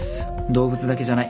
動物だけじゃない。